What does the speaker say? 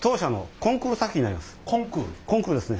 コンクールですね。